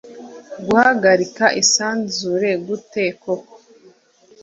Guhagarika isanzure gute koko vuga